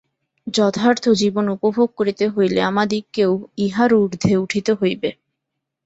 যথার্থ জীবন উপভোগ করিতে হইলে আমাদিগকে ইহার ঊর্ধ্বে উঠিতে হইবে।